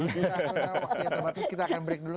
karena waktu yang terbatas kita akan break dulu